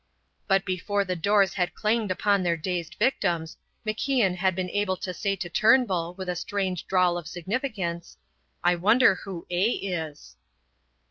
But before the doors had clanged upon their dazed victims, MacIan had been able to say to Turnbull with a strange drawl of significance: "I wonder who A is."